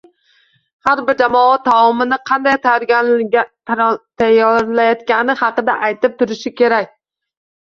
Har bir jamoa taomini qanday tayyorlayotgani haqida aytib turishi kerak.